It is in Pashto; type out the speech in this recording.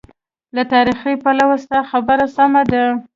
له تاریخي پلوه ستا خبره سمه ده.